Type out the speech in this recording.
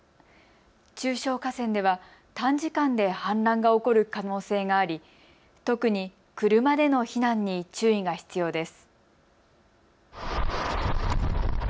中小河川では短時間で氾濫が起こる可能性があり特に車での避難に注意が必要です。